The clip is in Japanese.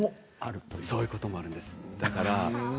そういうこともあるんです。